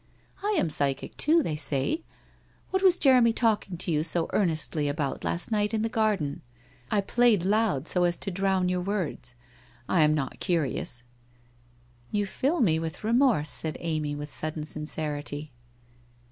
I am psychic, too, they say. What was Jeremy talking to you so earnestly about last night in the garden? I played loud, so as to drown your words. I am not curious/ ' You fill me with remorse,' said Amy, with sudden sincerity.